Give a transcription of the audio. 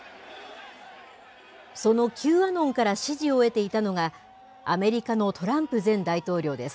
そのＱアノンから支持を得ていたのが、アメリカのトランプ前大統領です。